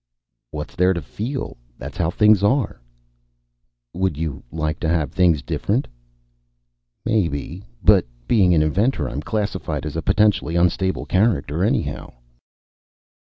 "What's there to feel? That's how things are." "Would you like to have things different?" "Maybe. But being an inventor, I'm classified as a potentially unstable character anyhow."